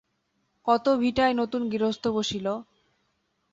কত ভিটায় নতুন গৃহস্থ বসিল।